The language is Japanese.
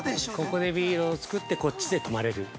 ◆ここでビールをつくってここで泊まれる。